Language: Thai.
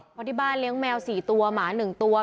เพราะที่บ้านเลี้ยงแมวสี่ตัวหมาหนึ่งตัว